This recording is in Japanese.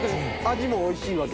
味もおいしいわけ？